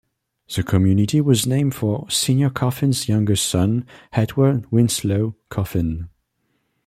The community was named for Senior Coffin's youngest son, Edward Winslow Coffin.